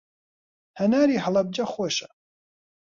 هەناری هەڵەبجە خۆشە.